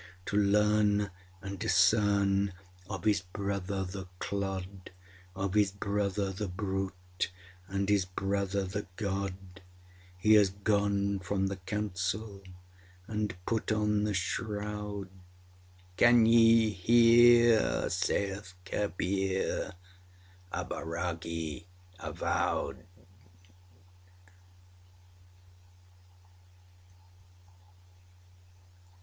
To learn and discern of his brother the clod, Of his brother the brute, and his brother the God. He has gone from the council and put on the shroud (âCan ye hear?â saith Kabir), a bairagi avowed!